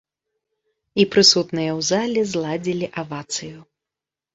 І прысутныя ў зале зладзілі авацыю.